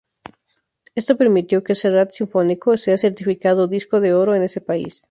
Esto permitió que "Serrat sinfónico" sea certificado disco de oro en ese país.